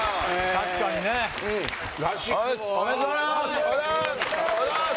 確かにね・おめでとうございます